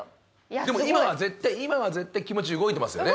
でも今は絶対今は絶対気持ち動いてますよね？